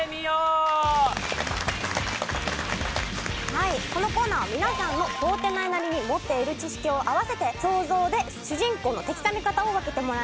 はいこのコーナーは皆さんの通ってないなりに持っている知識を合わせて想像で主人公の敵か味方を分けてもらいます。